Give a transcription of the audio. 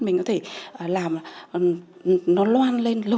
mình có thể làm nó loan lên lớn